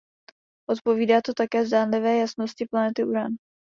Odpovídá to také zdánlivé jasnosti planety Uran.